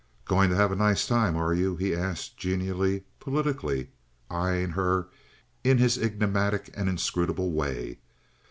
"Going to have a nice time, are you?" he asked, genially, politically, eying her in his enigmatic and inscrutable way.